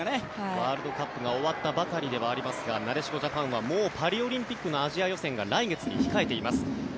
ワールドカップが終わったばかりではありますがなでしこジャパンはもうパリオリンピックのアジア予選が来月に控えています。